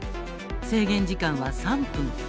制限時間は３分。